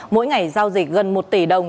mỗi ngày giao dịch gần một tỷ đồng